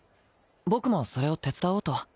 僕もそれを手伝おうと。